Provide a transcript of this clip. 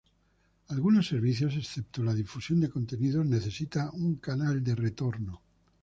Algunos servicios, excepto la difusión de contenidos, necesita un canal de retorno.